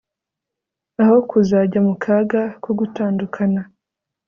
aho kuzajya mu kaga ko gutandukana